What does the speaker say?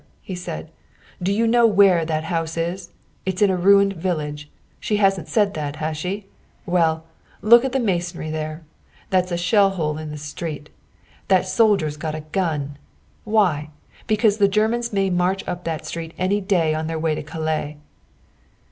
he said. "Do you know where that house is? It's in a ruined village. She hasn't said that, has she? Well, look at the masonry there. That's a shell hole in the street. That soldier's got a gun. Why? Because the Germans may march up that street any day on their way to Calais."